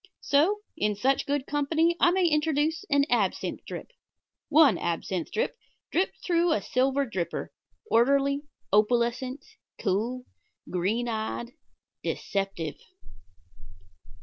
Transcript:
So, in such good company I may introduce an absinthe drip one absinthe drip, dripped through a silver dripper, orderly, opalescent, cool, green eyed deceptive.